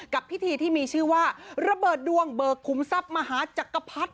กับพิธีที่มีชื่อว่าระเบิดดวงเบิกขุมทรัพย์มหาจักรพรรดิ